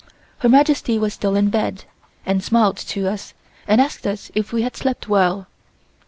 Her Majesty was still in bed and smiled to us and asked us if we had slept well.